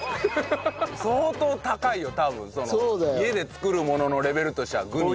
相当高いよ多分その家で作るもののレベルとしてはグミ。